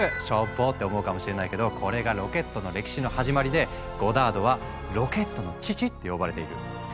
「しょぼ！」って思うかもしれないけどこれがロケットの歴史の始まりでゴダードは「ロケットの父」って呼ばれている。